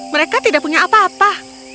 mereka tidak punya apa apa